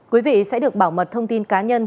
quý vị sẽ được bảo mật thông tin cá nhân